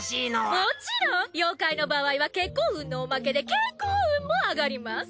もちろん妖怪の場合は結婚運のおまけで健康運も上がります。